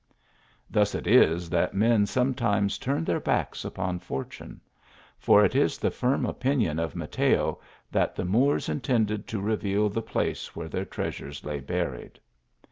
Thus it is that men sometimes turn their backs upon THE COURT OF LIONS. 95 fortune ; for it is the firm opinion of Mateo that the Moors intended to reveal the place where their treas ures lay buried.